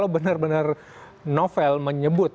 benar benar novel menyebut